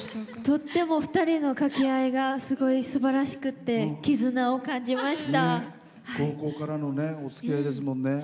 とっても２人の掛け合いがすごいすばらしくて高校からのおつきあいですもんね。